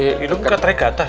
hidung nggak tarik ke atas